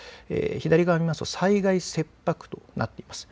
左側を見ますと災害切迫となっています。